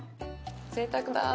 ぜいたくだー。